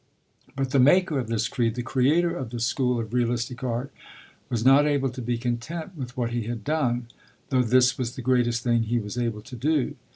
But the maker of this creed, the creator of this school of realistic art, was not able to be content with what he had done, though this was the greatest thing he was able to do.